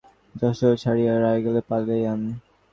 সেই রাত্রেই সীতারাম সপরিবারে যশােহর ছাড়িয়া রায়গড়ে পালাইল।